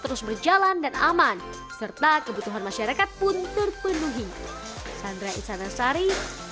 terus berjalan dan aman serta kebutuhan masyarakat pun terpenuhi